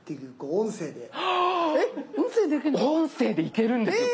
音声でいけるんです！